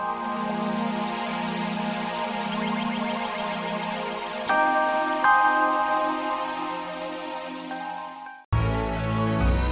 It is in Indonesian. aku harus ngehibur dia terus ngehilasin kamu lagi